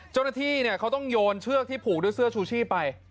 เจ้าหน้าที่เขาต้องโยนเชือกที่ผูกด้วยเสื้อชูชีพไป